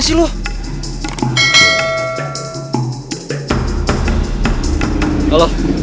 teh itu tiga amy